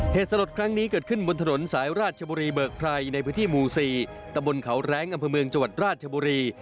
เหตุสลดครั้งนี้เกิดขึ้นบนถนนสายราชบุรีเบิกไพรในพื้นที่หมู่๔ตะบนเขาแรงอำเภอเมืองจังหวัดราชบุรี